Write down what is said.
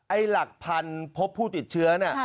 ไอหลักพันธุ์พบผู้ติดเชื้อเนี่ย